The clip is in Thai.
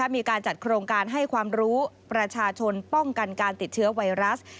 มีการจัดโครงการให้ความรู้ประชาชนป้องกันการติดเชื้อไวรัส